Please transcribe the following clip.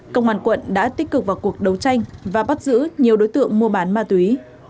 công an quận đã tích cực vào cuộc đấu tranh và bắt giữ nhiều đối tượng mua bán ma túy